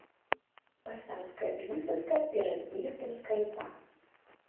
Пасадка і высадка перад выездам з кальца.